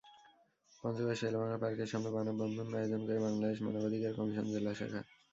পঞ্চগড়ে শেরেবাংলা পার্কের সামনে মানববন্ধন আয়োজন করে বাংলাদেশ মানবাধিকার কমিশন জেলা শাখা।